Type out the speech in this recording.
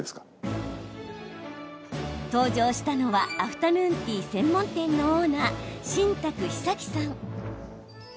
登場したのはアフタヌーンティー専門店のオーナー・新宅久起さん。